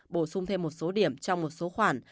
bổ sung thêm một số điểm trong một số khoản